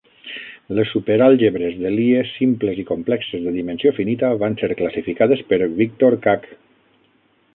Les super àlgebres de Lie simples i complexes de dimensió finita van ser classificades per Victor Kac.